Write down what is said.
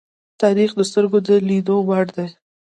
تاریخ د سترگو د لیدو وړ دی.